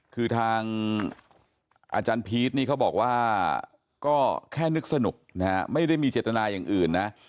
คือทางอาจารย์พีชนี่เขาบอกว่าก็แค่นึกสนุกนะฮะไม่ได้มีเจตนาอย่างอื่นนะ